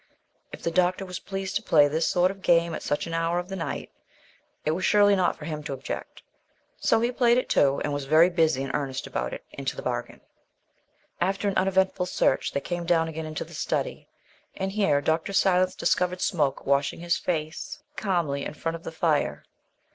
If the doctor was pleased to play this sort of game at such an hour of the night, it was surely not for him to object. So he played it too; and was very busy and earnest about it into the bargain. After an uneventful search they came down again to the study, and here Dr. Silence discovered Smoke washing his face calmly in front of the fire.